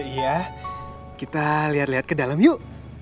iya kita lihat lihat ke dalam yuk